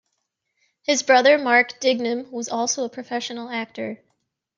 His brother Mark Dignam was also a professional actor.